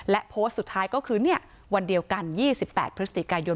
และโพสต์สุดท้ายก็คือวันเดียวกัน๒๘พฤศจิกายน